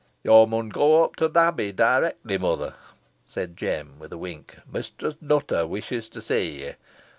"Yo mun go up to th' Abbey directly, mother," said Jem, with a wink, "Mistress Nutter wishes to see ye.